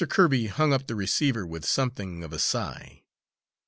Kirby hung up the receiver with something of a sigh.